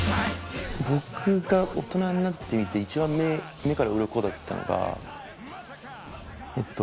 僕が大人になってみて一番目からうろこだったのがえっと